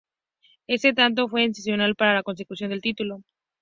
Este tanto fue esencial para la consecución del título.